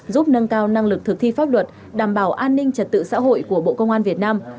giúp nâng cao năng lực thực thi pháp luật đảm bảo an ninh trật tự xã hội của bộ công an việt nam